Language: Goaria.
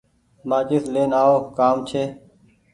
مآچيس لين آو ڪآم ڇي۔